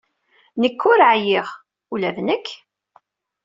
Nekk ur ɛyiɣ. Ula d nekk.